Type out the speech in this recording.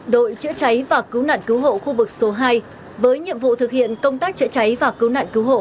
đội chữa cháy và cứu nạn cứu hộ khu vực số hai với nhiệm vụ thực hiện công tác chữa cháy và cứu nạn cứu hộ